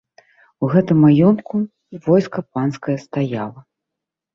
У гэтым маёнтку войска панскае стаяла.